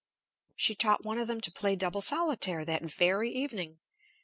She taught one of them to play double solitaire that very evening.